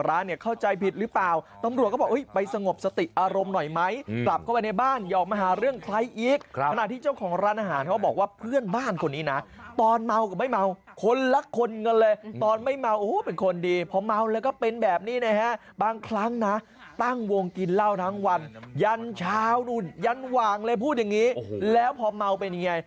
แล้วพอเมาเป็นอย่างไร